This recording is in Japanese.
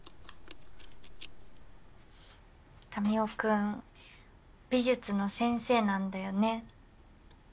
民生君美術の先生なんだよね。